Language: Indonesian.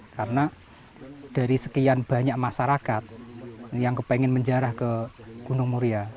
karena dari sekian banyak masyarakat yang ingin menjarah ke gunung muria